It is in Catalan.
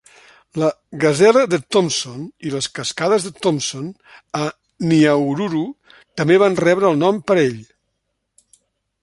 La gasela de Thomson i les cascades de Thomson, a Nyahururu, també van rebre el nom per ell.